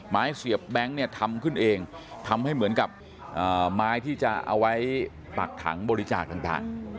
เสียบแบงค์เนี่ยทำขึ้นเองทำให้เหมือนกับไม้ที่จะเอาไว้ปักถังบริจาคต่าง